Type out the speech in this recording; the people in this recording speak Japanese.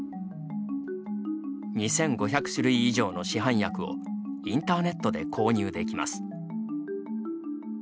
２５００種類以上の市販薬をインターネットで購入できます。